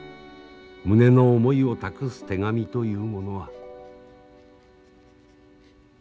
胸の思いを託す手紙というものは。